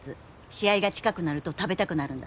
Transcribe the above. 試合が近くなると食べたくなるんだって